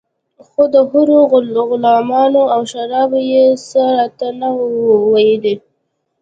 خو د حورو غلمانو او شرابو يې څه راته نه وو ويلي.